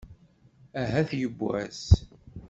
Ahat yewwas.